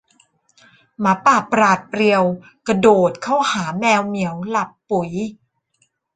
หมาป่าปราดเปรียวกระโดดเข้าหาแมวเหมียวหลับปุ๋ย